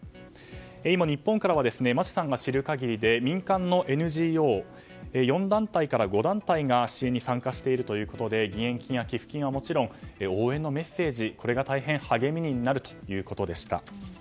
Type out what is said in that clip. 今、日本からは町さんが知る限りで民間のＮＧＯ４団体から５団体が支援に参加しているということで義援金や寄付金はもちろん応援のメッセージが大変励みになるということでした。